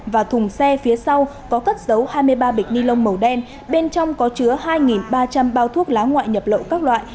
và thùng xe phía sau có cất dấu hai mươi ba bịch ni lông màu đen bên trong có chứa hai ba trăm linh bao thuốc lá ngoại nhập lậu các loại